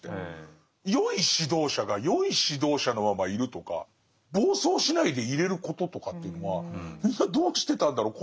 よい指導者がよい指導者のままいるとか暴走しないでいれることとかというのはみんなどうしてたんだろう。